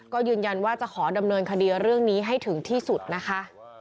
ก็ยืนยันว่าจะขอดำเนินคดีเรื่องนี้ให้ถึงที่สุดนะคะ